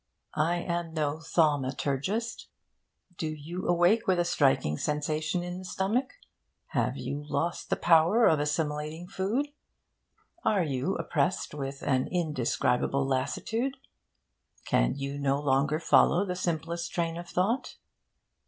I am no thaumaturgist. Do you awake with a sinking sensation in the stomach? Have you lost the power of assimilating food? Are you oppressed with an indescribable lassitude? Can you no longer follow the simplest train of thought?